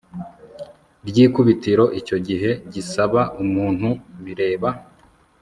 ry ikubitiro icyo gihe gisaba umuntu bireba